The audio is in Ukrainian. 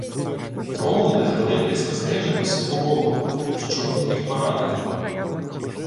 Ромул нахилив низько стрижену сиву голову. Що б він міг порадити?